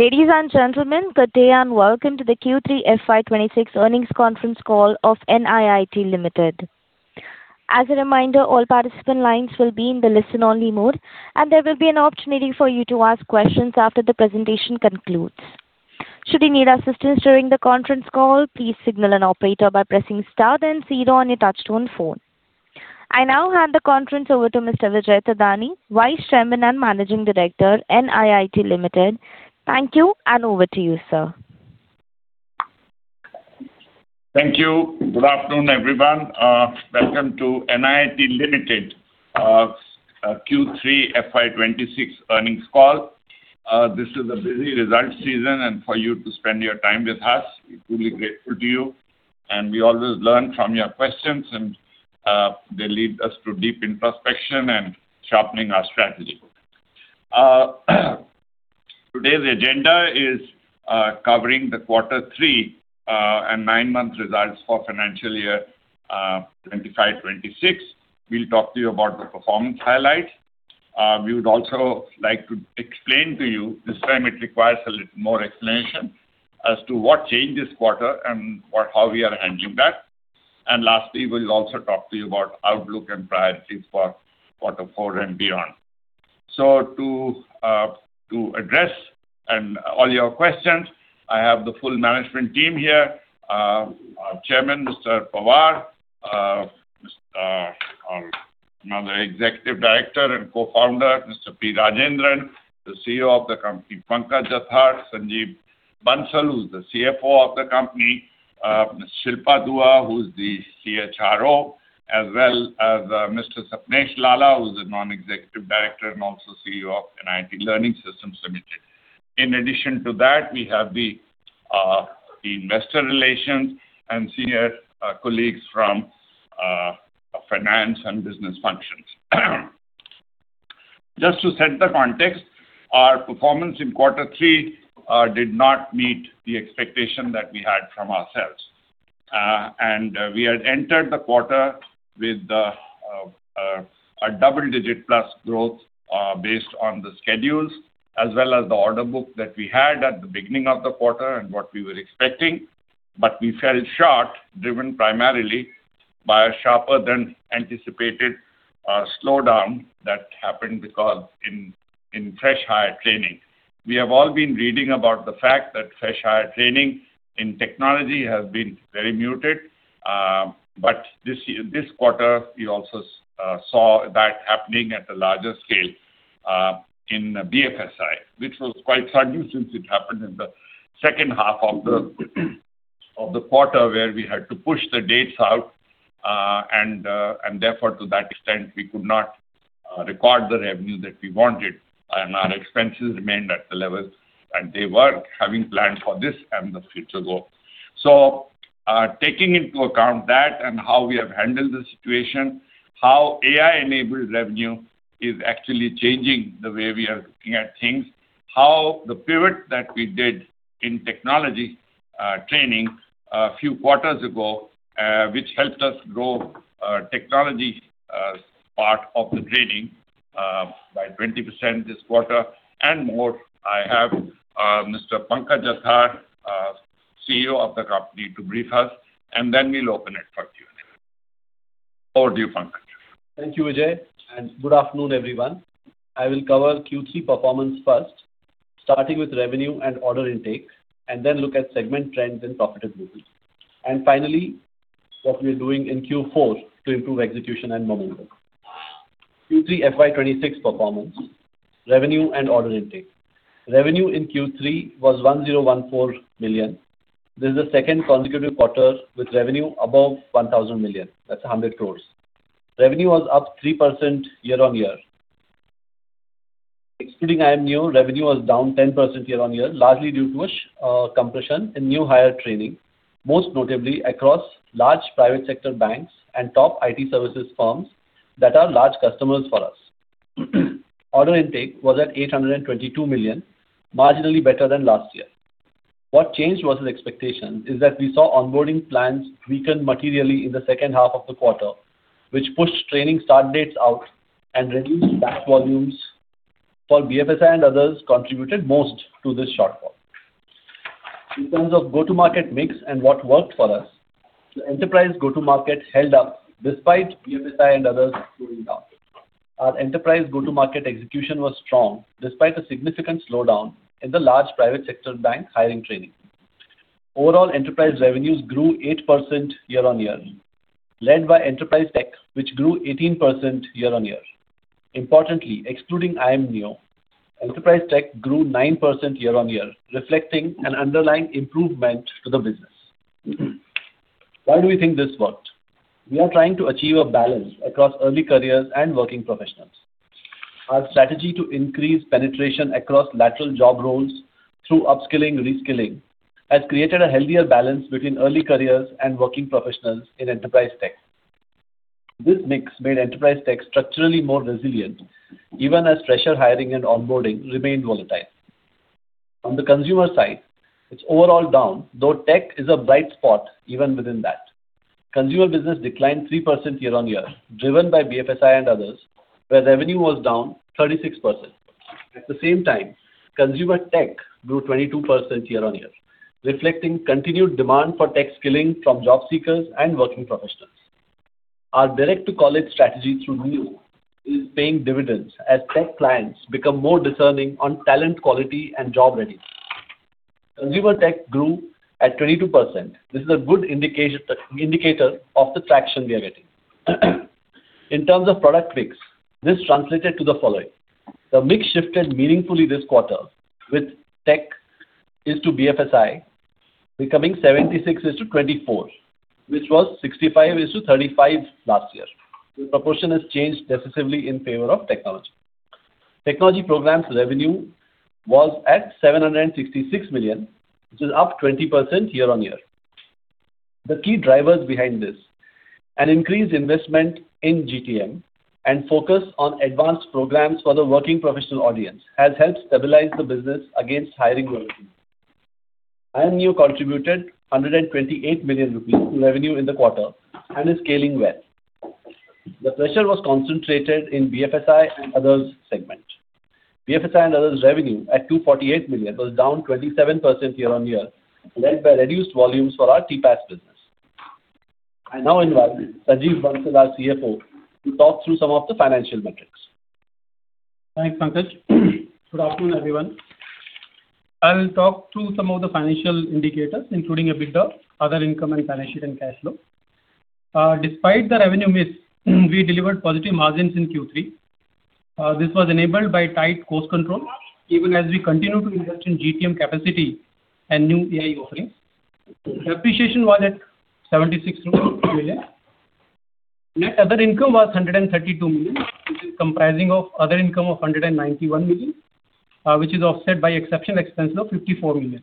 Ladies and gentlemen, good day and welcome to the Q3 FY 2026 earnings conference call of NIIT Limited. As a reminder, all participant lines will be in the listen-only mode, and there will be an opportunity for you to ask questions after the presentation concludes. Should you need assistance during the conference call, please signal an operator by pressing star then zero on your touchtone phone. I now hand the conference over to Mr. Vijay K. Thadani, Vice Chairman and Managing Director, NIIT Limited. Thank you, and over to you, sir. Thank you. Good afternoon, everyone. Welcome to NIIT Limited Q3 FY 26 earnings call. This is a busy result season, and for you to spend your time with us, we're truly grateful to you, and we always learn from your questions, and they lead us to deep introspection and sharpening our strategy. Today's agenda is covering the Quarter 3 and 9-month results for financial year 25, 26. We'll talk to you about the performance highlights. We would also like to explain to you, this time it requires a little more explanation, as to what changed this quarter and how we are handling that. And lastly, we'll also talk to you about outlook and priorities for Quarter 4 and beyond. So to address all your questions, I have the full management team here. Our chairman, Mr. Pawar, another executive director and co-founder, Mr. P. Rajendran; the CEO of the company, Pankaj Jathar; Sanjeev Bansal, who's the CFO of the company, Ms. Shilpa Dureja, who's the CHRO, as well as, Mr. Sapnesh Lalla, who's the non-executive director and also CEO of NIIT Learning Systems Limited. In addition to that, we have the investor relations and senior colleagues from finance and business functions. Just to set the context, our performance in Quarter three did not meet the expectation that we had from ourselves. We had entered the quarter with a double digit plus growth, based on the schedules as well as the order book that we had at the beginning of the quarter and what we were expecting. But we fell short, driven primarily by a sharper-than-anticipated slowdown that happened because in fresh hire training. We have all been reading about the fact that fresh hire training in technology has been very muted, but this quarter, we also saw that happening at a larger scale in BFSI, which was quite sudden, since it happened in the second half of the quarter, where we had to push the dates out, and therefore, to that extent, we could not record the revenue that we wanted, and our expenses remained at the levels that they were, having planned for this and the future goal. So, taking into account that and how we have handled the situation, how AI-enabled revenue is actually changing the way we are looking at things, how the pivot that we did in technology training a few quarters ago, which helped us grow technology part of the training by 20% this quarter and more. I have Mr. Pankaj Jathar, CEO of the company, to brief us, and then we'll open it for Q&A. Over to you, Pankaj. Thank you, Vijay, and good afternoon, everyone. I will cover Q3 performance first, starting with revenue and order intake, and then look at segment trends and profitability. Finally, what we're doing in Q4 to improve execution and momentum. Q3 FY 2026 performance, revenue and order intake. Revenue in Q3 was 1,014 million. This is the second consecutive quarter with revenue above 1,000 million. That's 100 crores. Revenue was up 3% year-on-year. Excluding Iamneo, revenue was down 10% year-on-year, largely due to a compression in NU hire training, most notably across large private sector banks and top IT services firms that are large customers for us. Order intake was at 822 million, marginally better than last year. What changed was the expectation is that we saw onboarding plans weaken materially in the second half of the quarter, which pushed training start dates out and reduced batch volumes for BFSI and others, contributed most to this shortfall. In terms of go-to-market mix and what worked for us, the enterprise go-to-market held up despite BFSI and others slowing down. Our enterprise go-to-market execution was strong, despite a significant slowdown in the large private sector bank hiring training. Overall, enterprise revenues grew 8% year-on-year, led by enterprise tech, which grew 18% year-on-year. Importantly, excluding Iamneo, enterprise tech grew 9% year-on-year, reflecting an underlying improvement to the business. Why do we think this worked? We are trying to achieve a balance across early careers and working professionals. Our strategy to increase penetration across lateral job roles through upskilling, reskilling, has created a healthier balance between early careers and working professionals in enterprise tech. This mix made enterprise tech structurally more resilient, even as fresher hiring and onboarding remained volatile. On the consumer side, it's overall down, though tech is a bright spot even within that. Consumer business declined 3% year-on-year, driven by BFSI and others, where revenue was down 36%. At the same time, consumer tech grew 22% year-on-year, reflecting continued demand for tech skilling from job seekers and working professionals. Our direct-to-college strategy through New is paying dividends as tech clients become more discerning on talent, quality, and job readiness. Consumer tech grew at 22%. This is a good indication, indicator of the traction we are getting. In terms of product mix, this translated to the following: The mix shifted meaningfully this quarter, with tech: BFSI becoming 76:24, which was 65:35 last year. The proportion has changed decisively in favor of technology. Technology programs revenue was at 766 million, which is up 20% year-on-year. The key drivers behind this, an increased investment in GTM and focus on advanced programs for the working professional audience, has helped stabilize the business against hiring growth. Iamneo contributed 128 million rupees revenue in the quarter and is scaling well. The pressure was concentrated in BFSI and others segment. BFSI and others revenue, at 248 million, was down 27% year-on-year, led by reduced volumes for our TPaaS business. I now invite Sanjeev Bansal, our CFO, to talk through some of the financial metrics. Thanks, Pankaj. Good afternoon, everyone. I will talk through some of the financial indicators, including a bit of other income and financial and cash flow. Despite the revenue mix, we delivered positive margins in Q3. This was enabled by tight cost control, even as we continue to invest in GTM capacity and new AI offerings. Depreciation was at 76 million. Net other income was 132 million, which is comprising of other income of 191 million, which is offset by exceptional expense of 54 million.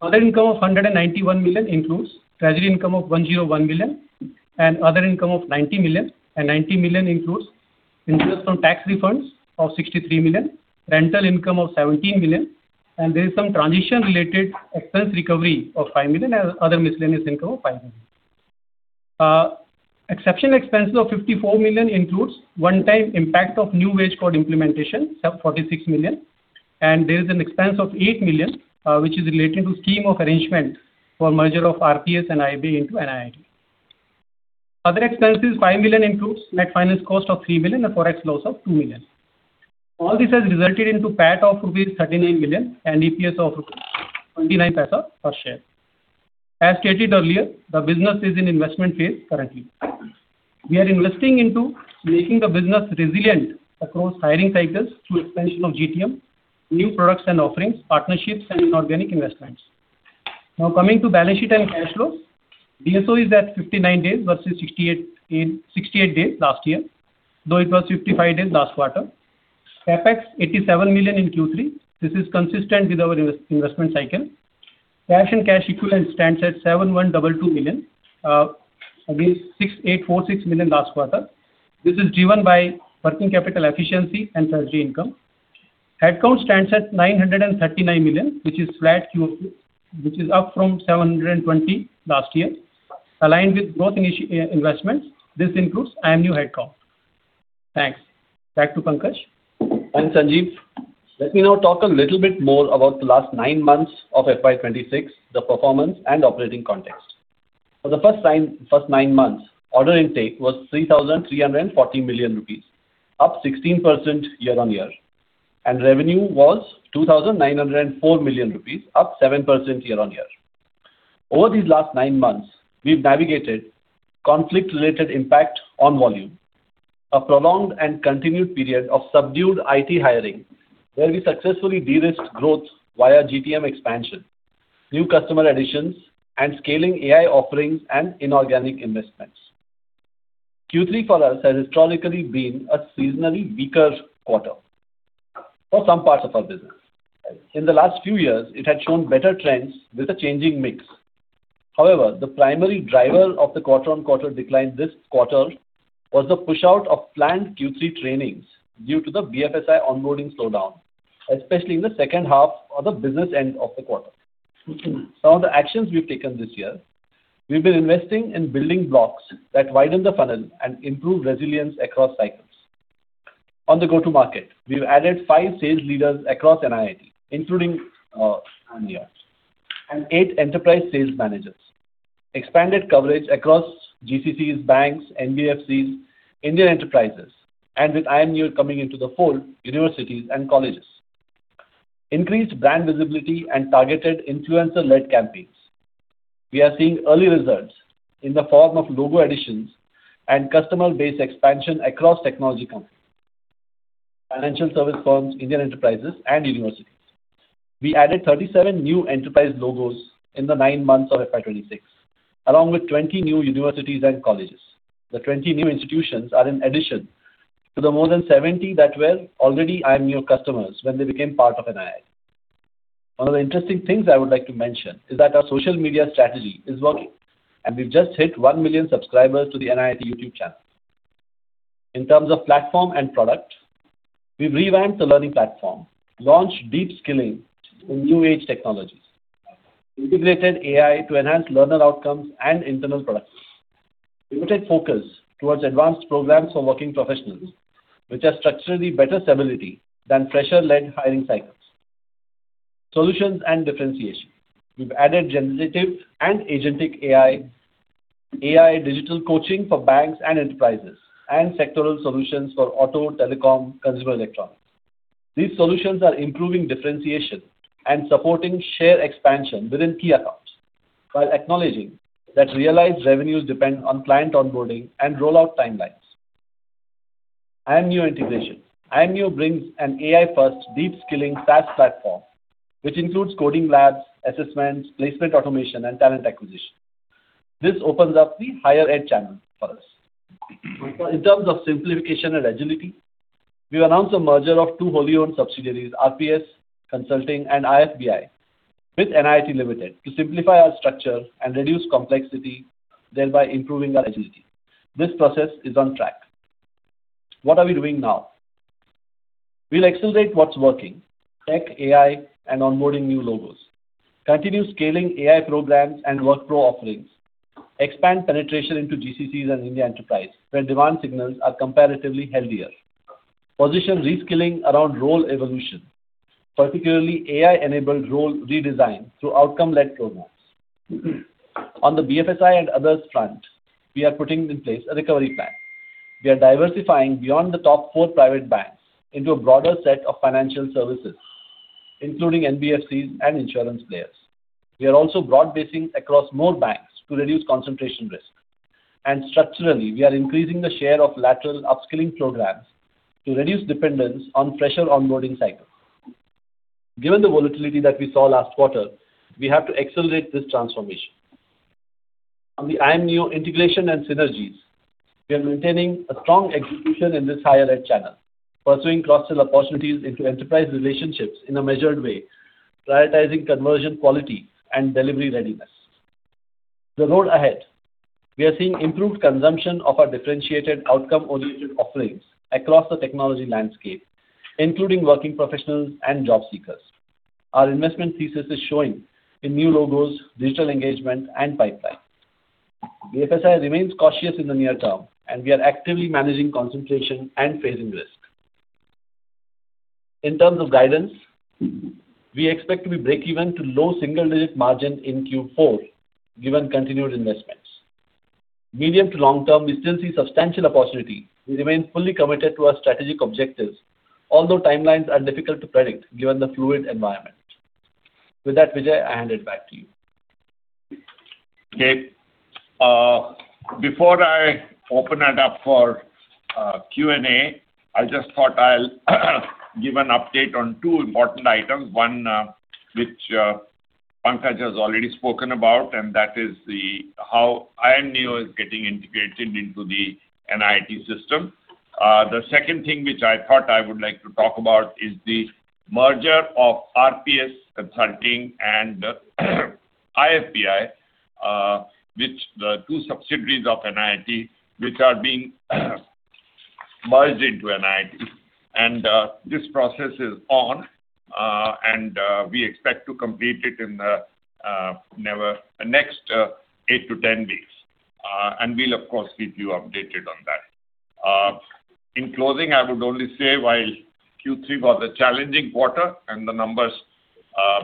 Other income of 191 million includes treasury income of 101 million and other income of 90 million. And 90 million includes interest on tax refunds of 63 million, rental income of 17 million, and there is some transition-related expense recovery of 5 million and other miscellaneous income of 5 million. Exceptional expenses of 54 million includes one-time impact of new wage code implementation, sub 46 million, and there is an expense of 8 million, which is related to scheme of arrangement for merger of RPS and IFBI into NIIT. Other expenses, 5 million, includes net finance cost of 3 million and Forex loss of 2 million. All this has resulted into PAT of rupees 39 million and EPS of 0.29 per share. As stated earlier, the business is in investment phase currently. We are investing into making the business resilient across hiring cycles through expansion of GTM, new products and offerings, partnerships, and inorganic investments. Now, coming to balance sheet and cash flows. DSO is at 59 days versus 68, 68 days last year, though it was 55 days last quarter. CapEx, 87 million in Q3. This is consistent with our invest-investment cycle. Cash and cash equivalents stands at 712.2 million against 684.6 million last quarter. This is driven by working capital efficiency and treasury income. Headcount stands at 939, which is flat QoQ, which is up from 720 last year. Aligned with growth initiatives, investments, this includes Iamneo headcount. Thanks. Back to Pankaj. Thanks, Sanjeev. Let me now talk a little bit more about the last nine months of FY 2026, the performance and operating context. For the first time, first nine months, order intake was 3,340 million rupees, up 16% year-on-year, and revenue was 2,904 million rupees, up 7% year-on-year. Over these last nine months, we've navigated conflict-related impact on volume, a prolonged and continued period of subdued IT hiring, where we successfully de-risked growth via GTM expansion, new customer additions, and scaling AI offerings and inorganic investments. Q3 for us has historically been a seasonally weaker quarter for some parts of our business. In the last few years, it had shown better trends with a changing mix. However, the primary driver of the quarter-on-quarter decline this quarter was the push out of planned Q3 trainings due to the BFSI onboarding slowdown, especially in the second half of the business end of the quarter. Some of the actions we've taken this year, we've been investing in building blocks that widen the funnel and improve resilience across cycles. On the go-to market, we've added 5 sales leaders across NIIT, including, Iamneo, and 8 enterprise sales managers. Expanded coverage across GCCs, banks, NBFCs, Indian enterprises, and with Iamneo coming into the fold, universities and colleges. Increased brand visibility and targeted influencer-led campaigns. We are seeing early results in the form of logo additions and customer base expansion across technology companies, financial service firms, Indian enterprises, and universities. We added 37 new enterprise logos in the 9 months of FY 2026, along with 20 new universities and colleges. The 20 new institutions are in addition to the more than 70 that were already Iamneo customers when they became part of NIIT. One of the interesting things I would like to mention is that our social media strategy is working, and we've just hit 1 million subscribers to the NIIT YouTube channel. In terms of platform and product, we've revamped the learning platform, launched deep skilling in new age technologies, integrated AI to enhance learner outcomes and internal products. We put a focus towards advanced programs for working professionals, which have structurally better stability than pressure-led hiring cycles. Solutions and differentiation. We've added generative and agentic AI, AI digital coaching for banks and enterprises, and sectoral solutions for auto, telecom, consumer electronics. These solutions are improving differentiation and supporting share expansion within key accounts, while acknowledging that realized revenues depend on client onboarding and rollout timelines. Iamneo integration. Iamneo brings an AI-first, deep-skilling SaaS platform, which includes coding labs, assessments, placement automation, and talent acquisition. This opens up the higher ed channel for us. In terms of simplification and agility, we've announced a merger of two wholly-owned subsidiaries, RPS Consulting and IFBI, with NIIT Limited, to simplify our structure and reduce complexity, thereby improving our agility. This process is on track. What are we doing now? We'll accelerate what's working, tech, AI, and onboarding new logos. Continue scaling AI programs and work pro offerings. Expand penetration into GCCs and India enterprise, where demand signals are comparatively healthier. Position reskilling around role evolution, particularly AI-enabled role redesign through outcome-led programs. On the BFSI and others front, we are putting in place a recovery plan. We are diversifying beyond the top four private banks into a broader set of financial services, including NBFCs and insurance players. We are also broad-basing across more banks to reduce concentration risk. Structurally, we are increasing the share of lateral upskilling programs to reduce dependence on fresher onboarding cycles. Given the volatility that we saw last quarter, we have to accelerate this transformation. On the Iamneo integration and synergies, we are maintaining a strong execution in this higher ed channel, pursuing cross-sell opportunities into enterprise relationships in a measured way, prioritizing conversion quality and delivery readiness. The road ahead. We are seeing improved consumption of our differentiated, outcome-oriented offerings across the technology landscape, including working professionals and job seekers. Our investment thesis is showing in new logos, digital engagement, and pipeline. BFSI remains cautious in the near term, and we are actively managing concentration and phasing risk. In terms of guidance, we expect to be breakeven to low single-digit margin in Q4, given continued investments. Medium to long term, we still see substantial opportunity. We remain fully committed to our strategic objectives, although timelines are difficult to predict, given the fluid environment. With that, Vijay, I hand it back to you. Okay, before I open it up for Q&A, I just thought I'll give an update on 2 important items. One, which Pankaj has already spoken about, and that is how Iamneo is getting integrated into the NIIT system. The second thing which I thought I would like to talk about is the merger of RPS Consulting and IFBI, which the two subsidiaries of NIIT, which are being merged into NIIT. This process is on, and we expect to complete it in the next 8-10 days. And we'll, of course, keep you updated on that. In closing, I would only say, while Q3 was a challenging quarter and the numbers,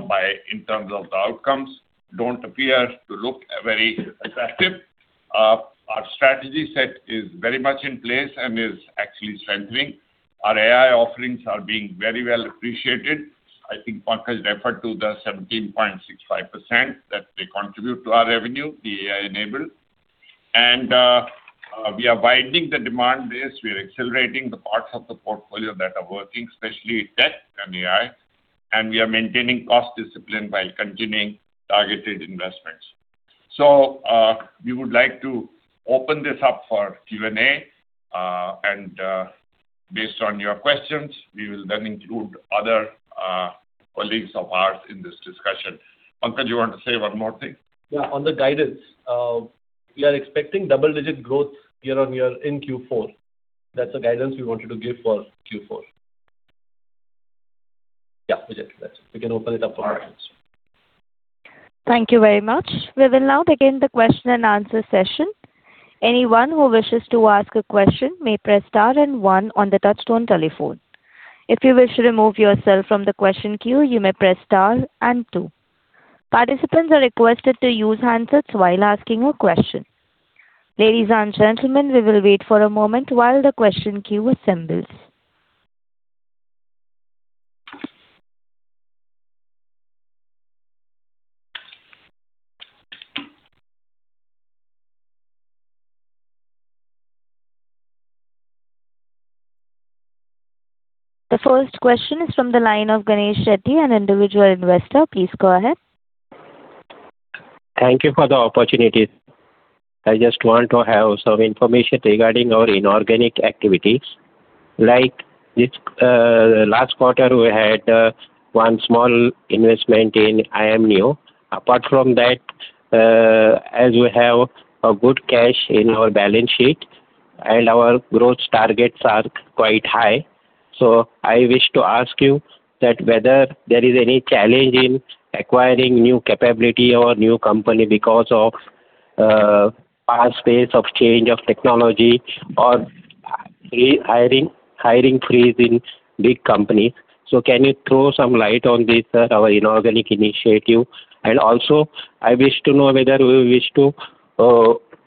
by, in terms of the outcomes, don't appear to look very attractive, our strategy set is very much in place and is actually strengthening. Our AI offerings are being very well appreciated. I think Pankaj referred to the 17.65% that they contribute to our revenue, the AI-enabled. And, we are widening the demand base. We are accelerating the parts of the portfolio that are working, especially tech and AI, and we are maintaining cost discipline while continuing targeted investments. So, we would like to open this up for Q&A, and, based on your questions, we will then include other, colleagues of ours in this discussion. Pankaj, you want to say one more thing? Yeah, on the guidance, we are expecting double-digit growth year-on-year in Q4. That's the guidance we wanted to give for Q4. Yeah, Vijay, that's it. We can open it up for questions. Thank you very much. We will now begin the question and answer session. Anyone who wishes to ask a question may press star and one on the touchtone telephone. If you wish to remove yourself from the question queue, you may press star and two. Participants are requested to use handsets while asking a question. Ladies and gentlemen, we will wait for a moment while the question queue assembles. The first question is from the line of Ganesh Reddy, an individual investor. Please go ahead. Thank you for the opportunity. I just want to have some information regarding our inorganic activities. Like this, last quarter, we had one small investment in Iamneo. Apart from that, as we have a good cash in our balance sheet and our growth targets are quite high. So I wish to ask you that whether there is any challenge in acquiring new capability or new company because of fast pace of change of technology or hiring, hiring freeze in big companies. So can you throw some light on this, sir, our inorganic initiative? And also, I wish to know whether we wish to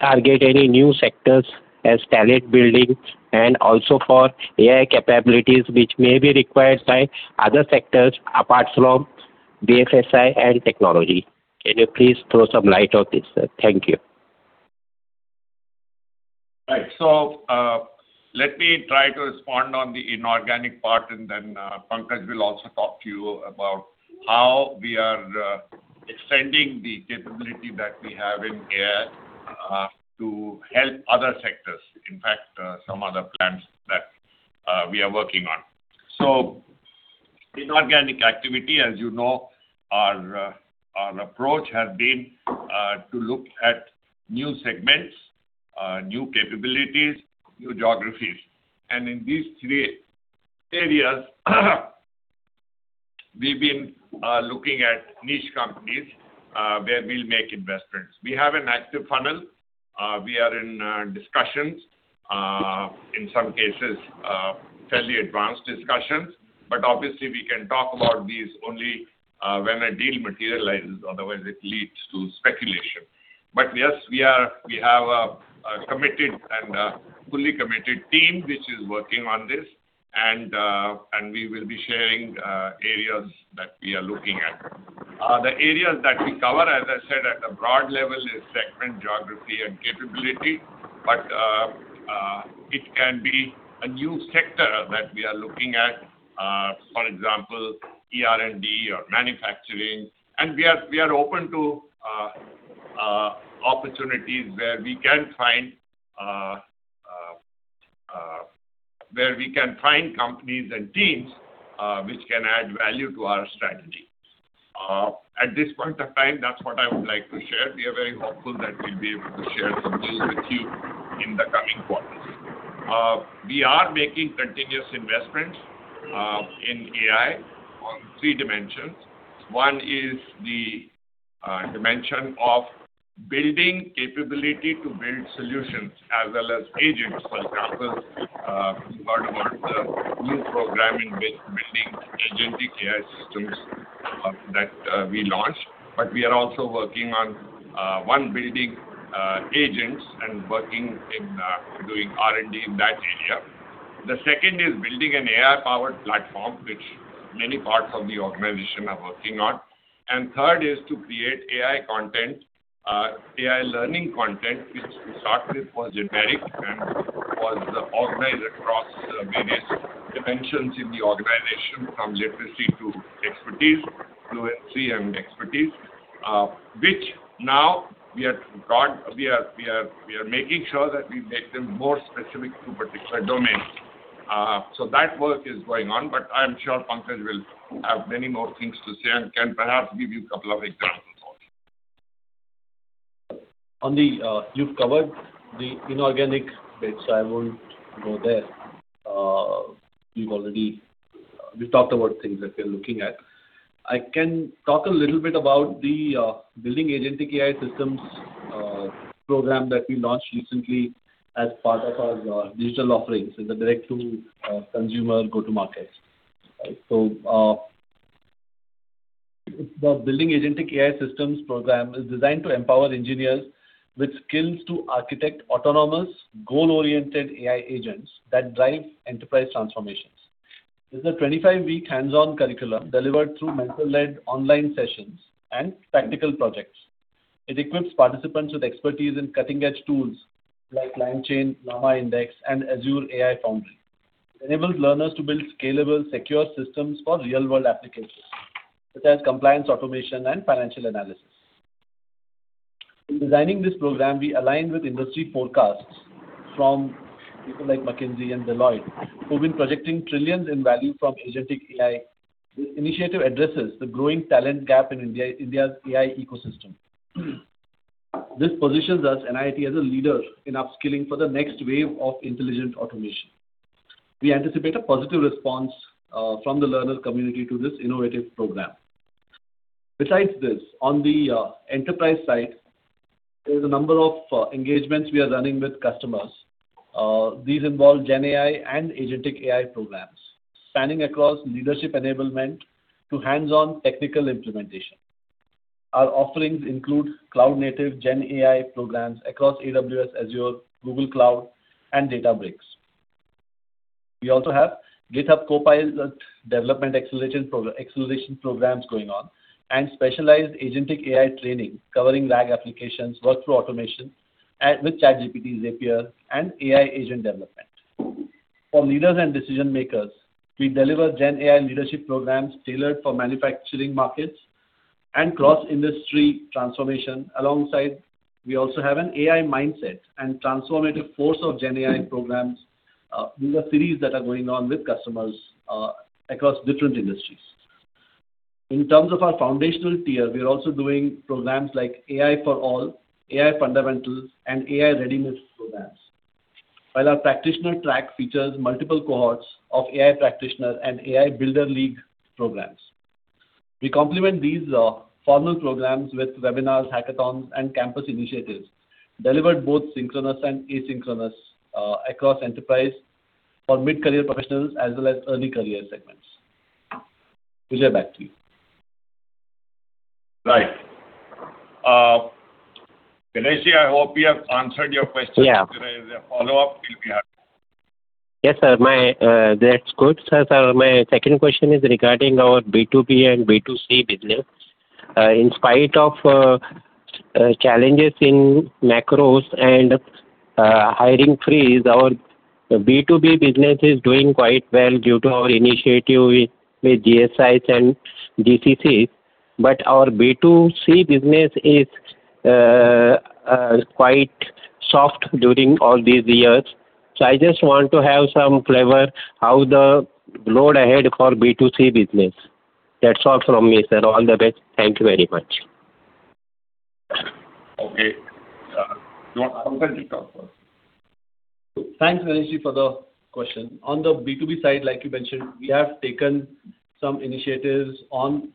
target any new sectors as talent building and also for AI capabilities, which may be required by other sectors apart from BFSI and technology. Can you please throw some light on this, sir? Thank you. Right. So, let me try to respond on the inorganic part, and then, Pankaj will also talk to you about how we are, extending the capability that we have in AI, to help other sectors, in fact, some other plans that, we are working on. So inorganic activity, as you know, our approach has been, to look at new segments, new capabilities, new geographies. And in these three areas, we've been, looking at niche companies, where we'll make investments. We have an active funnel. We are in discussions, in some cases, fairly advanced discussions, but obviously we can talk about these only, when a deal materializes, otherwise it leads to speculation. But yes, we are. We have a committed and a fully committed team which is working on this, and we will be sharing areas that we are looking at. The areas that we cover, as I said, at a broad level is segment, geography, and capability, but it can be a new sector that we are looking at, for example, ER&D or manufacturing. And we are open to opportunities where we can find companies and teams which can add value to our strategy. At this point of time, that's what I would like to share. We are very hopeful that we'll be able to share some deals with you in the coming quarters. We are making continuous investments in AI on three dimensions. One is the dimension of building capability to build solutions as well as agents. For example, we heard about the new program, Building Agentic AI Systems, that we launched, but we are also working on building agents and doing R&D in that area. The second is building an AI-powered platform, which many parts of the organization are working on. And third is to create AI content. AI learning content, which to start with, was generic and was organized across various dimensions in the organization, from literacy to expertise, fluency and expertise, which now we are making sure that we make them more specific to particular domains. So that work is going on, but I'm sure Pankaj will have many more things to say and can perhaps give you a couple of examples also. On the... You've covered the inorganic bits, so I won't go there. We've already talked about things that we are looking at. I can talk a little bit about the Building Agentic AI Systems program that we launched recently as part of our digital offerings in the direct to consumer go-to markets. So, the Building Agentic AI Systems program is designed to empower engineers with skills to architect autonomous, goal-oriented AI agents that drive enterprise transformations. This is a 25-week hands-on curriculum delivered through mentor-led online sessions and practical projects. It equips participants with expertise in cutting-edge tools like LangChain, LlamaIndex, and Azure AI Foundry. Enables learners to build scalable, secure systems for real-world applications, such as compliance, automation, and financial analysis. In designing this program, we aligned with industry forecasts from people like McKinsey and Deloitte, who've been projecting trillions in value from agentic AI. This initiative addresses the growing talent gap in India, India's AI ecosystem. This positions us, NIIT, as a leader in upskilling for the next wave of intelligent automation. We anticipate a positive response from the learner community to this innovative program. Besides this, on the enterprise side, there's a number of engagements we are running with customers. These involve GenAI and agentic AI programs, spanning across leadership enablement to hands-on technical implementation. Our offerings include cloud native GenAI programs across AWS, Azure, Google Cloud, and Databricks. We also have GitHub Copilot development acceleration programs going on and specialized agentic AI training, covering LangChain applications, workflow automation, and with ChatGPT, Zapier, and AI agent development. For leaders and decision-makers, we deliver GenAI leadership programs tailored for manufacturing markets and cross-industry transformation. Alongside, we also have an AI mindset and transformative force of GenAI programs. These are series that are going on with customers across different industries. In terms of our foundational tier, we are also doing programs like AI for All, AI Fundamentals, and AI Readiness programs. While our practitioner track features multiple cohorts of AI practitioner and AI Builder League programs. We complement these formal programs with webinars, hackathons, and campus initiatives, delivered both synchronous and asynchronous, across enterprise for mid-career professionals as well as early career segments. Vijay, back to you. Right. Ganesh, I hope we have answered your question. Yeah. If there is a follow-up, we'll be happy. Yes, sir. My, that's good. So, sir, my second question is regarding our B2B and B2C business. In spite of, challenges in macros and, hiring freeze, our B2B business is doing quite well due to our initiative with, with GSIs and GCCs. But our B2C business is, quite soft during all these years. So I just want to have some flavor how the road ahead for B2C business. That's all from me, sir. All the best. Thank you very much. Okay. Do you want Pankaj to talk first? Thanks, Ganesh, for the question. On the B2B side, like you mentioned, we have taken some initiatives on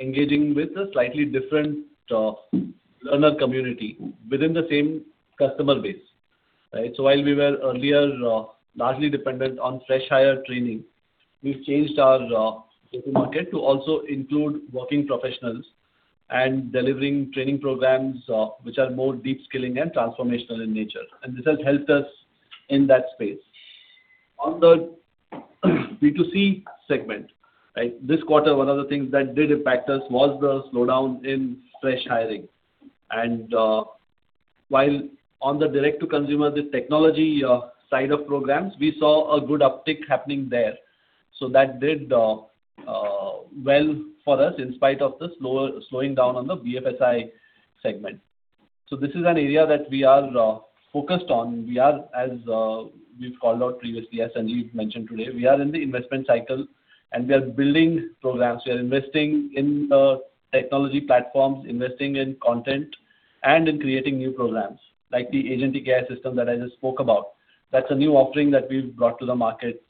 engaging with a slightly different learner community within the same customer base, right? So while we were earlier largely dependent on fresh hire training, we've changed our go-to-market to also include working professionals and delivering training programs, which are more deep skilling and transformational in nature, and this has helped us in that space. On the B2C segment, right? This quarter, one of the things that did impact us was the slowdown in fresh hiring. And while on the direct to consumer, the technology side of programs, we saw a good uptick happening there. So that did well for us in spite of the slowing down on the BFSI segment. So this is an area that we are focused on. We are, as we've called out previously, as Sanjeev mentioned today, we are in the investment cycle, and we are building programs. We are investing in technology platforms, investing in content, and in creating new programs, like the Agentic AI system that I just spoke about. That's a new offering that we've brought to the market,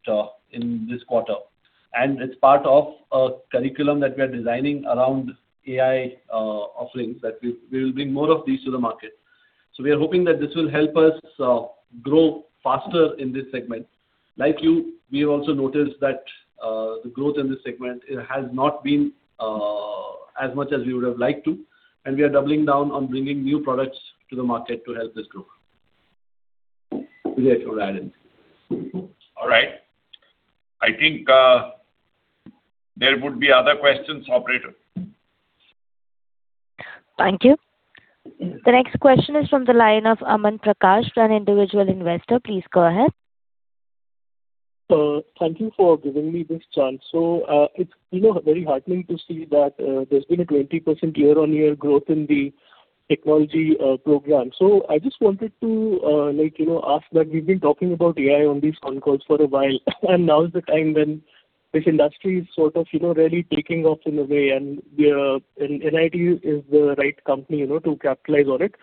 in this quarter, and it's part of a curriculum that we are designing around AI offerings, that we will bring more of these to the market. So we are hoping that this will help us grow faster in this segment. Like you, we have also noticed that the growth in this segment, it has not been as much as we would have liked to, and we are doubling down on bringing new products to the market to help this growth. Vijay, if you would add in. All right. I think, there would be other questions, operator. Thank you. The next question is from the line of Amit Prakash, an individual investor. Please go ahead. Thank you for giving me this chance. So, it's, you know, very heartening to see that, there's been a 20% year-on-year growth in the technology program. So I just wanted to, like, you know, ask that we've been talking about AI on these concalls for a while, and now is the time when this industry is sort of, you know, really taking off in a way, and we are - and, and NIIT is the right company, you know, to capitalize on it.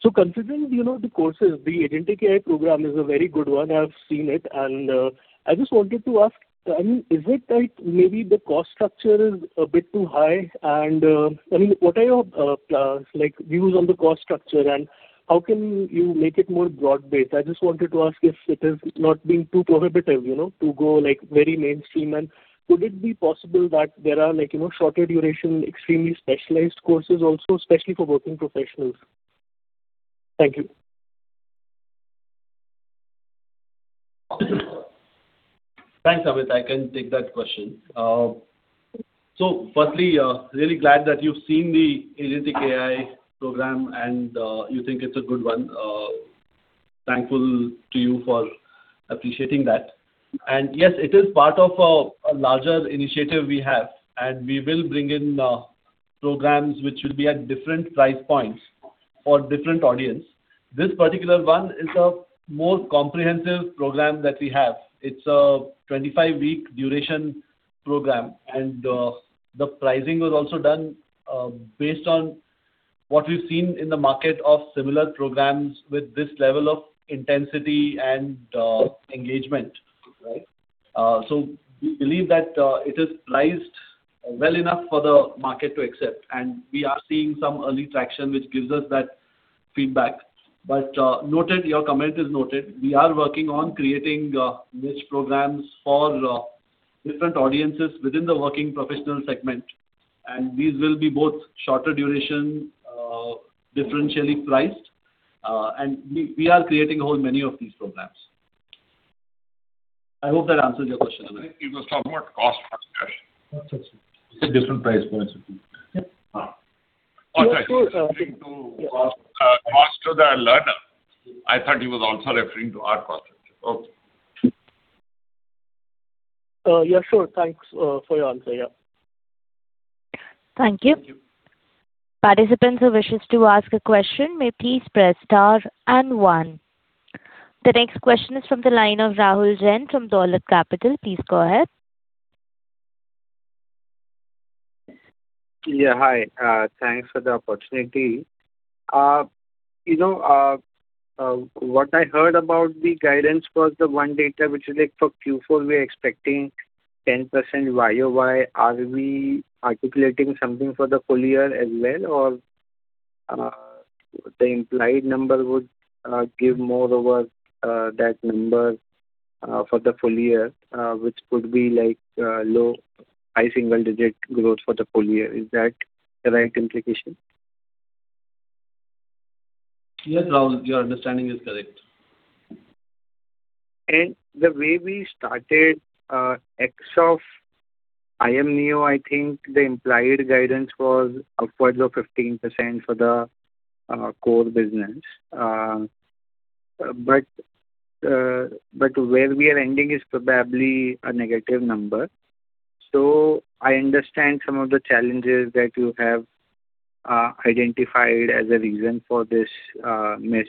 So considering, you know, the courses, the Agentic AI program is a very good one. I've seen it, and, I just wanted to ask, I mean, is it like maybe the cost structure is a bit too high? And, I mean, what are your plans, like, views on the cost structure, and how can you make it more broad-based? I just wanted to ask if it is not being too prohibitive, you know, to go, like, very mainstream? Could it be possible that there are like, you know, shorter duration, extremely specialized courses also, especially for working professionals? Thank you. Thanks, Amit. I can take that question. So firstly, really glad that you've seen the Agentic AI program, and, you think it's a good one. Thankful to you for appreciating that. And yes, it is part of a larger initiative we have, and we will bring in, programs which will be at different price points for different audience. This particular one is a more comprehensive program that we have. It's a 25-week duration program, and, the pricing was also done, based on what we've seen in the market of similar programs with this level of intensity and, engagement, right? So we believe that, it is priced well enough for the market to accept, and we are seeing some early traction, which gives us that feedback. But, noted. Your comment is noted. We are working on creating niche programs for different audiences within the working professional segment, and these will be both shorter duration, differentially priced. And we, we are creating a whole many of these programs. I hope that answers your question. He was talking about cost structure. Okay, sir. It's a different price points. Yeah. All right. Of course, Referring to, cost to the learner. I thought he was also referring to our cost structure. Okay. Yeah, sure. Thanks for your answer. Yeah. Thank you. Thank you. Participants who wish to ask a question, may please press Star and One. The next question is from the line of Rahul Jain from Dolat Capital. Please go ahead. Yeah, hi. Thanks for the opportunity. You know, what I heard about the guidance was the one data which is like for Q4, we're expecting 10% YoY. Are we articulating something for the full year as well or, the implied number would give more over, that number, for the full year, which could be like, low, high single digit growth for the full year. Is that the right implication? Yes, Rahul, your understanding is correct. The way we started with the acquisition of Iamneo, I think the implied guidance was upwards of 15% for the core business. But where we are ending is probably a negative number. So I understand some of the challenges that you have identified as a reason for this miss.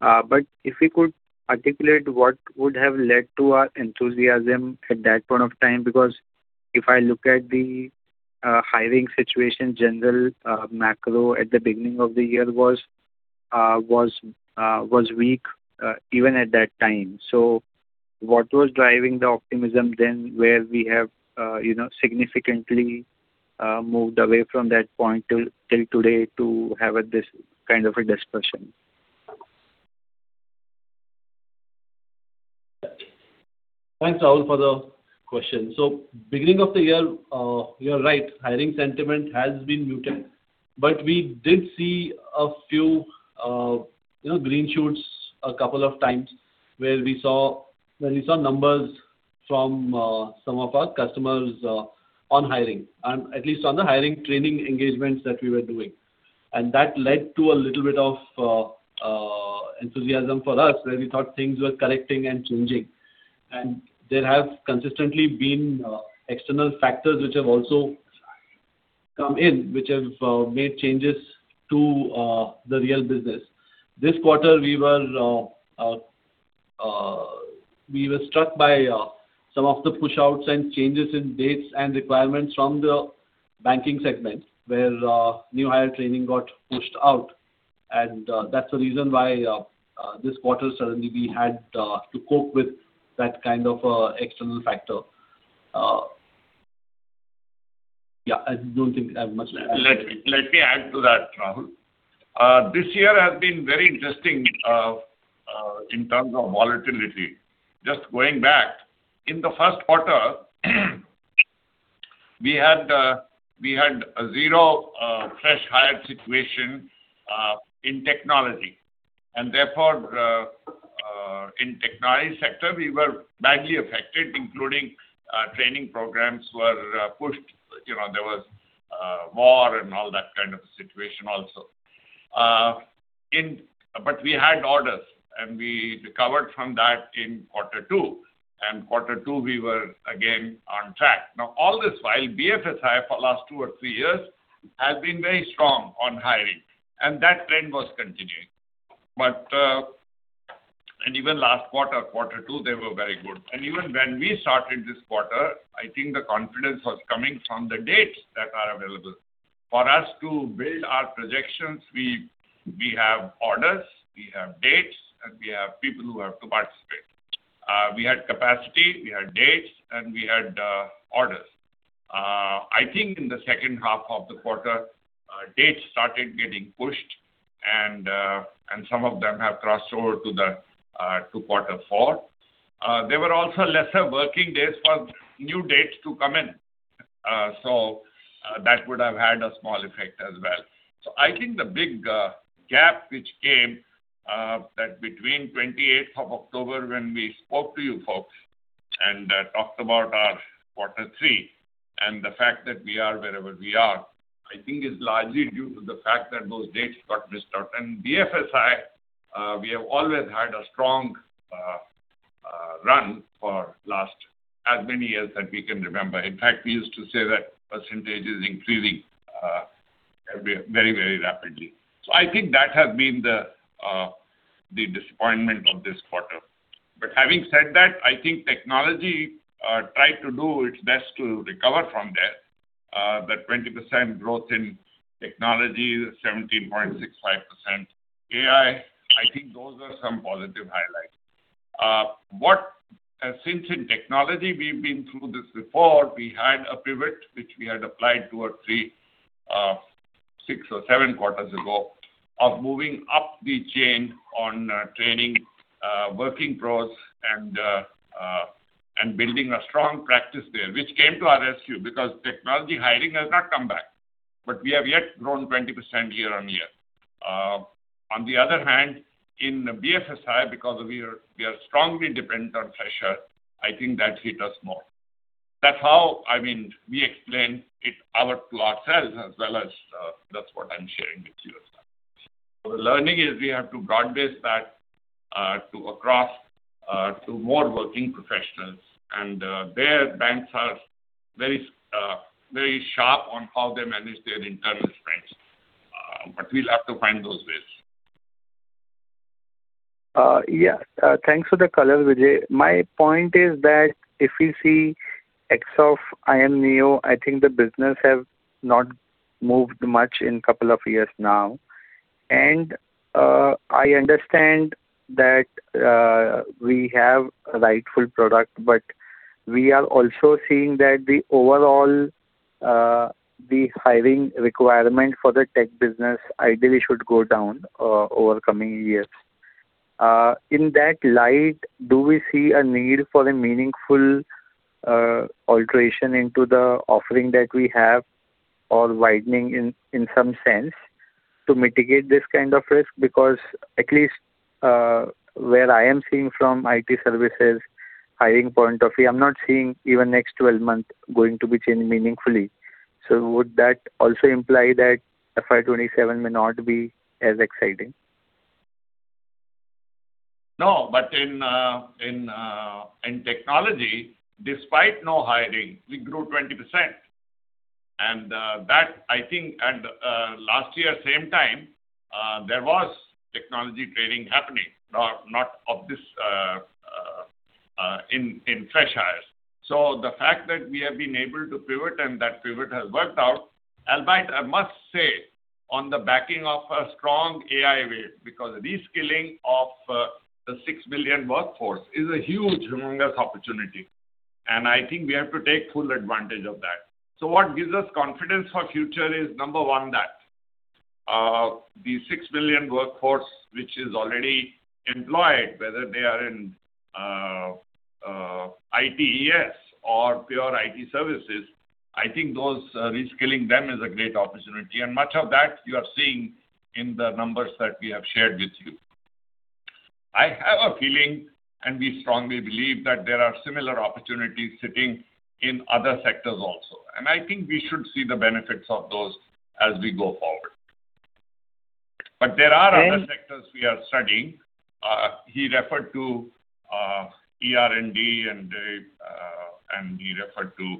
But if we could articulate what would have led to our enthusiasm at that point of time, because if I look at the hiring situation, general macro at the beginning of the year was weak, even at that time. So what was driving the optimism then, where we have, you know, significantly moved away from that point till today to have this kind of a discussion? Thanks, Rahul, for the question. So beginning of the year, you're right, hiring sentiment has been muted. But we did see a few, you know, green shoots a couple of times, where we saw numbers from some of our customers on hiring, and at least on the hiring, training engagements that we were doing. And that led to a little bit of enthusiasm for us, where we thought things were correcting and changing. And there have consistently been external factors which have also come in, which have made changes to the real business. This quarter, we were struck by some of the push outs and changes in dates and requirements from the banking segment, where new hire training got pushed out. And, that's the reason why, this quarter, suddenly we had to cope with that kind of external factor. Yeah, I don't think I have much to add. Let me add to that, Rahul. This year has been very interesting in terms of volatility. Just going back, in the first quarter, we had a zero fresh hire situation in technology. And therefore, in technology sector, we were badly affected, including training programs were pushed. You know, there was war and all that kind of situation also. But we had orders, and we recovered from that in quarter two, and quarter two, we were again on track. Now, all this while, BFSI for last two or three years, has been very strong on hiring, and that trend was continuing. But, and even last quarter, quarter two, they were very good. And even when we started this quarter, I think the confidence was coming from the dates that are available. For us to build our projections, we have orders, we have dates, and we have people who have to participate. We had capacity, we had dates, and we had orders. I think in the second half of the quarter, dates started getting pushed, and some of them have crossed over to quarter four. There were also lesser working days for new dates to come in, so that would have had a small effect as well. So I think the big gap which came, that between 28th of October, when we spoke to you folks and talked about our quarter three, and the fact that we are wherever we are, I think is largely due to the fact that those dates got disturbed. BFSI, we have always had a strong run for last as many years that we can remember. In fact, we used to say that percentage is increasing very, very, very rapidly. So I think that has been the disappointment of this quarter. But having said that, I think technology tried to do its best to recover from that. But 20% growth in technology, 17.65% AI, I think those are some positive highlights. What- since in technology, we've been through this before, we had a pivot which we had applied two or three, six or seven quarters ago, of moving up the chain on, training, working pros and, and building a strong practice there, which came to our rescue, because technology hiring has not come back, but we have yet grown 20% year-on-year. On the other hand, in BFSI, because we are, we are strongly dependent on pressure, I think that hit us more. That's how, I mean, we explain it to ourselves, as well as, that's what I'm sharing with you as well. So the learning is we have to broad base that, to across, to more working professionals, and, their banks are very s- very sharp on how they manage their internal strengths. But we'll have to find those ways. Yeah, thanks for the color, Vijay. My point is that if you see acquisition of Iamneo, I think the business have not moved much in couple of years now. And I understand that we have a rightful product, but we are also seeing that the overall the hiring requirement for the tech business ideally should go down over coming years. In that light, do we see a need for a meaningful alteration into the offering that we have or widening in some sense to mitigate this kind of risk? Because at least where I am seeing from IT services hiring point of view, I'm not seeing even next 12 months going to be changing meaningfully. So would that also imply that FY 2027 may not be as exciting? No, but in technology, despite no hiring, we grew 20%. And that I think, and last year, same time, there was technology training happening, not of this in fresh hires. So the fact that we have been able to pivot, and that pivot has worked out, albeit I must say, on the backing of a strong AI wave, because reskilling of the 6 billion workforce is a huge, humongous opportunity, and I think we have to take full advantage of that. So what gives us confidence for future is, number one, that, the 6 billion workforce, which is already employed, whether they are in, ITES or pure IT services, I think those, reskilling them is a great opportunity, and much of that you are seeing in the numbers that we have shared with you. I have a feeling, and we strongly believe, that there are similar opportunities sitting in other sectors also, and I think we should see the benefits of those as we go forward. But there are other sectors we are studying. He referred to, ER&D and, and he referred to,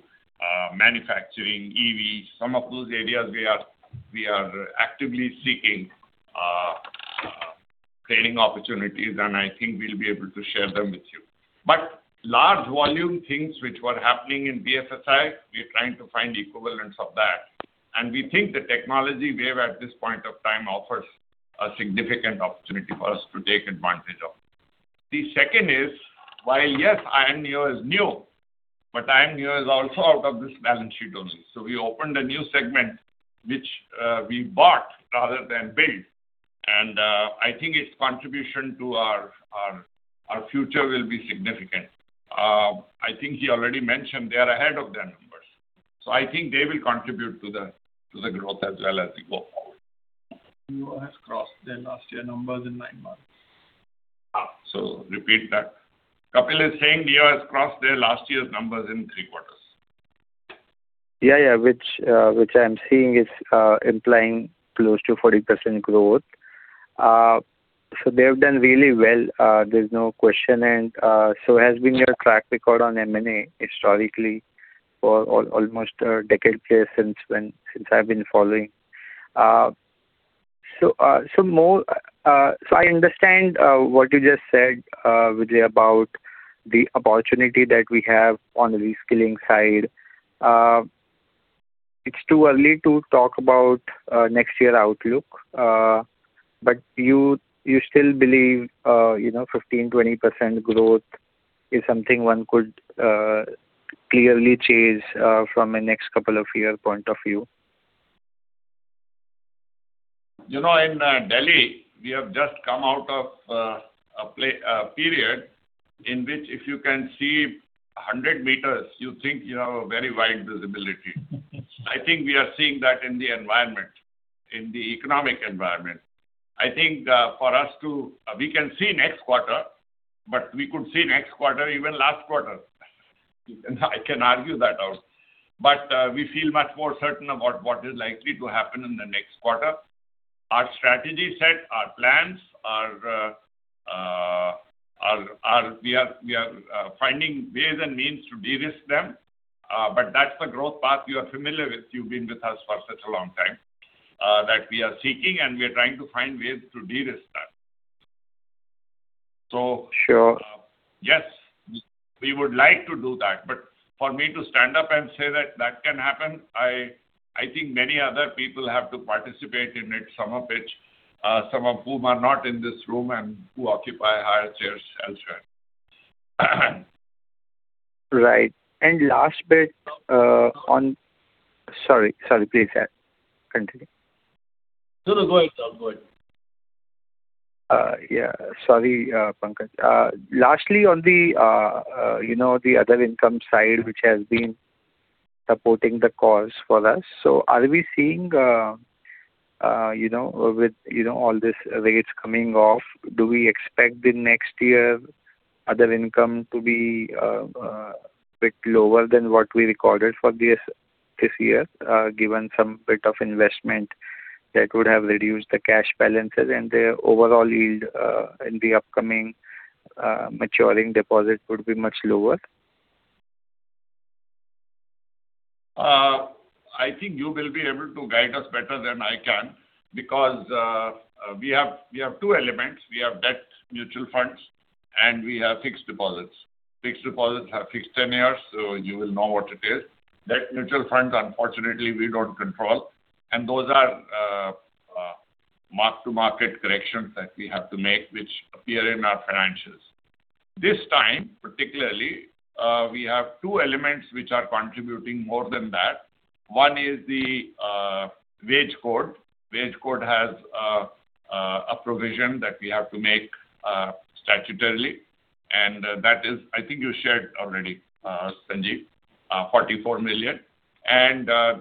manufacturing, EV. Some of those areas we are, we are actively seeking, training opportunities, and I think we'll be able to share them with you. But large volume things which were happening in BFSI, we are trying to find equivalents of that, and we think the technology wave at this point of time offers a significant opportunity for us to take advantage of. The second is, while, yes, Iamneo is new, but Iamneo is also out of this balance sheet only. So we opened a new segment which, we bought rather than built, and, I think its contribution to our, our, our future will be significant. I think he already mentioned they are ahead of their numbers. So I think they will contribute to the, to the growth as well as we go forward. Iamneo has crossed their last year numbers in nine months. So, repeat that. Kapil is saying NEO has crossed their last year's numbers in three quarters. Yeah, yeah, which, which I am seeing is implying close to 40% growth. So they have done really well, there's no question, and so has been your track record on M&A historically for almost a decade here since when—since I've been following. So, so more... So I understand what you just said, Vijay, about the opportunity that we have on the reskilling side. It's too early to talk about next year outlook, but you, you still believe, you know, 15%-20% growth is something one could clearly chase from a next couple of year point of view? You know, in Delhi, we have just come out of a period in which if you can see 100 meters, you think you have a very wide visibility. I think we are seeing that in the environment, in the economic environment. I think, for us to... We can see next quarter, but we could see next quarter, even last quarter. I can argue that out. But we feel much more certain about what is likely to happen in the next quarter. Our strategy set, our plans, our, our-- we are finding ways and means to de-risk them, but that's the growth path you are familiar with. You've been with us for such a long time, that we are seeking, and we are trying to find ways to de-risk that. So- Sure. Yes, we would like to do that, but for me to stand up and say that that can happen, I think many other people have to participate in it, some of which, some of whom are not in this room and who occupy higher chairs elsewhere. Right. And last bit... Sorry, sorry, please, continue. No, no, go ahead, sir. Go ahead. Yeah. Sorry, Pankaj. Lastly, on the, you know, the other income side, which has been supporting the cause for us. So are we seeing, you know, with, you know, all this rates coming off, do we expect the next year other income to be a bit lower than what we recorded for this year, given some bit of investment that would have reduced the cash balances and the overall yield, in the upcoming maturing deposit would be much lower? I think you will be able to guide us better than I can, because we have two elements: we have debt mutual funds, and we have fixed deposits. Fixed deposits have fixed tenures, so you will know what it is. Debt mutual funds, unfortunately, we don't control, and those are mark-to-market corrections that we have to make, which appear in our financials. This time, particularly, we have two elements which are contributing more than that. One is the wage code. Wage code has a provision that we have to make statutorily, and that is. I think you shared already, Sanjeev, 44 million.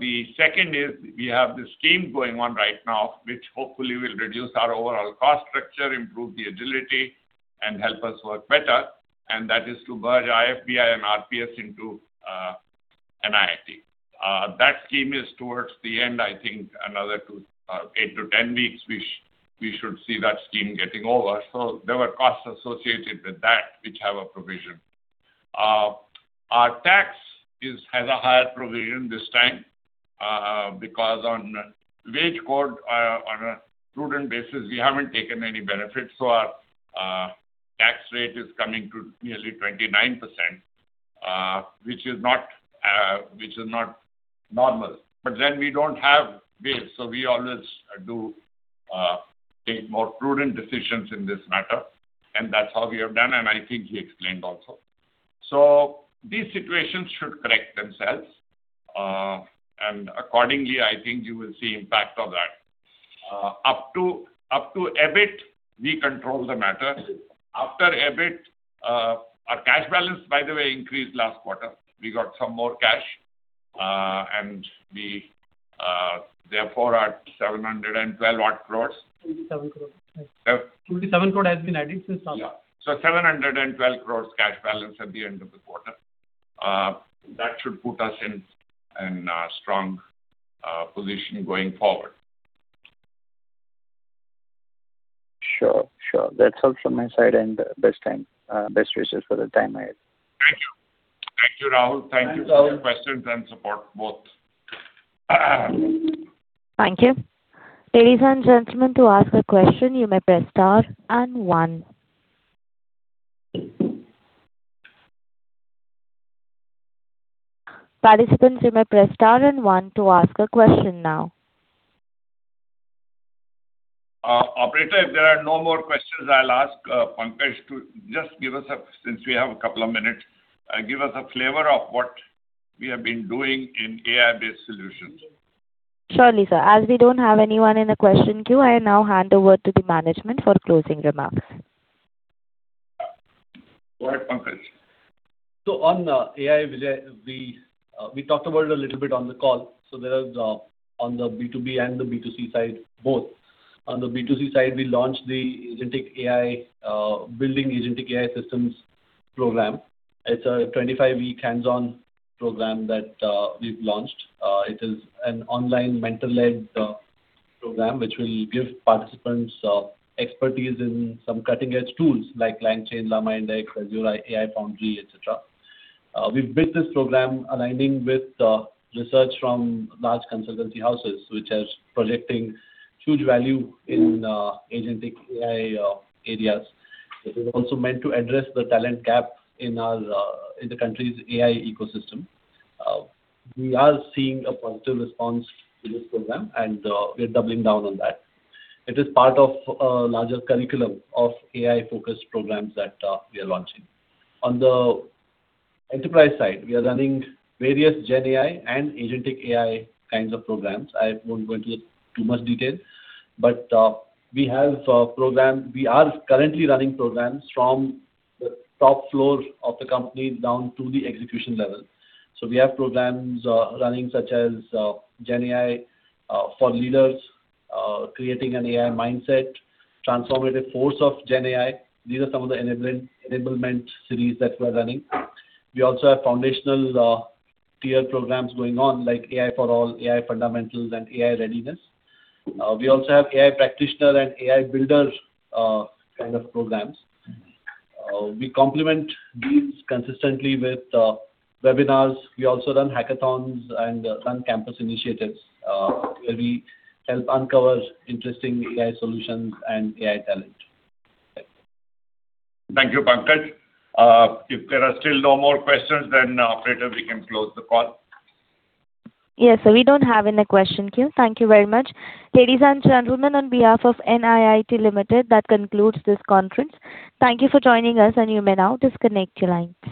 The second is, we have this scheme going on right now, which hopefully will reduce our overall cost structure, improve the agility, and help us work better, and that is to merge IFBI and RPS into NIIT. That scheme is towards the end. I think another 2, 8-10 weeks, we should see that scheme getting over. So there were costs associated with that, which have a provision. Our tax has a higher provision this time, because on wage code, on a prudent basis, we haven't taken any benefits, so our tax rate is coming to nearly 29%, which is not normal. But then we don't have base, so we always do take more prudent decisions in this matter, and that's how we have done, and I think he explained also. So these situations should correct themselves, and accordingly, I think you will see impact of that. Up to EBIT, we control the matter. After EBIT, our cash balance, by the way, increased last quarter. We got some more cash, and we therefore are 712-odd crores. 27 crore. Seven- 27 crore has been added since last. Yeah. So 712 crore cash balance at the end of the quarter. That should put us in a strong position going forward. Sure. Sure. That's all from my side, and best wishes for the time ahead. Thank you. Thank you, Rahul. Thank you, Rahul. Thank you for your questions and support both. Thank you. Ladies and gentlemen, to ask a question, you may press star and one. Participants, you may press star and one to ask a question now. Operator, if there are no more questions, I'll ask, Pankaj to just give us a... Since we have a couple of minutes, give us a flavor of what we have been doing in AI-based solutions. Surely, sir. As we don't have anyone in the question queue, I now hand over to the management for closing remarks. Go ahead, Pankaj. So on AI, Vijay, we talked about it a little bit on the call. So there are on the B2B and the B2C side, both. On the B2C side, we launched the Agentic AI Building Agentic AI Systems program. It's a 25-week hands-on program that we've launched. It is an online mentor-led program, which will give participants expertise in some cutting-edge tools like LangChain, LlamaIndex, Azure AI Foundry, et cetera. We've built this program aligning with research from large consultancy houses, which are projecting huge value in Agentic AI areas. It is also meant to address the talent gap in the country's AI ecosystem. We are seeing a positive response to this program, and we are doubling down on that. It is part of a larger curriculum of AI-focused programs that we are launching. On the enterprise side, we are running various GenAI and Agentic AI kinds of programs. I won't go into too much detail, but we have programs. We are currently running programs from the top floor of the company down to the execution level. So we have programs running, such as GenAI for leaders, creating an AI mindset, transformative force of GenAI. These are some of the enablement series that we're running. We also have foundational tier programs going on, like AI for All, AI Fundamentals, and AI Readiness. We also have AI Practitioner and AI Builder kind of programs. We complement these consistently with webinars. We also run hackathons and run campus initiatives, where we help uncover interesting AI solutions and AI talent. Thank you, Pankaj. If there are still no more questions, then, operator, we can close the call. Yes, sir, we don't have any question queue. Thank you very much. Ladies and gentlemen, on behalf of NIIT Limited, that concludes this conference. Thank you for joining us, and you may now disconnect your line.